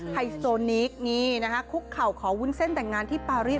ไฮโซนิกนี่นะคะคุกเข่าขอวุ้นเส้นแต่งงานที่ปารีส